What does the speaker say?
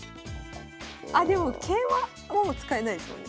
あでも桂馬もう使えないですもんね